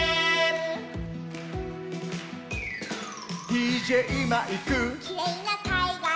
「ＤＪマイク」「きれいなかいがら」